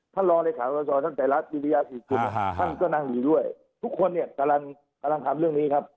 ท่านรรศตั้งแต่รัฐมิวิทยาศิษฐุท่านก็นั่งอยู่ด้วยทุกคนกำลังทำเรื่องนี้ครับ